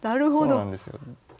そうなんですよ。